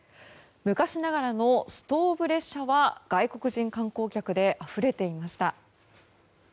昔ながらのストーブ列車は外国人観光客であふれていました。